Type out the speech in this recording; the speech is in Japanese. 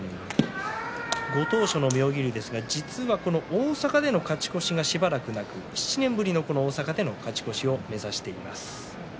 ご当所の妙義龍実は大阪での勝ち越しがしばらくなくて７年ぶりの大阪での勝ち越しを目指しています。